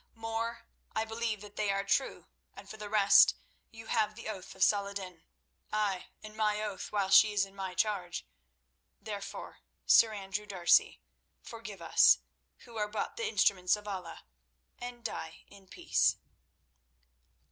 "More, I believe that they are true, and for the rest you have the oath of Salah ed din—ay, and my oath while she is in my charge. Therefore, Sir Andrew D'Arcy, forgive us, who are but the instruments of Allah, and die in peace."